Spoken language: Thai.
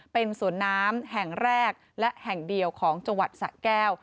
เป็นสวนน้ำแห่งแรกและแห่งเดียวของจังหวัดสะแก้ว